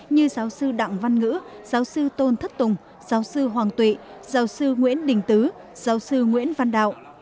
như giáo sư đặng văn ngữ giáo sư tôn thất tùng giáo sư hoàng tụy giáo sư nguyễn đình tứ giáo sư nguyễn văn đạo